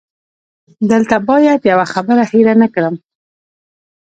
دلته باید یوه خبره هېره نه کړم.